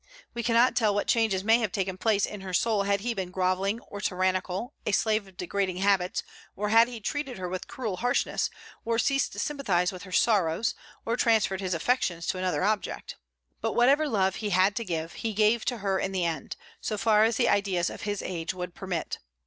We cannot tell what changes may have taken place in her soul had he been grovelling, or tyrannical, a slave of degrading habits, or had he treated her with cruel harshness, or ceased to sympathize with her sorrows, or transferred his affections to another object. But whatever love he had to give, he gave to her to the end, so far as the ideas of his age would permit.